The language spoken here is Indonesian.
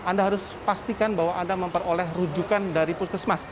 anda harus pastikan bahwa anda memperoleh rujukan dari puskesmas